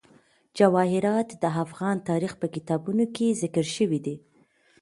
جواهرات د افغان تاریخ په کتابونو کې ذکر شوی دي.